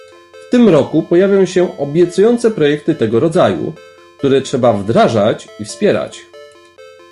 W tym roku pojawią się obiecujące projekty tego rodzaju, które trzeba wdrażać i wspierać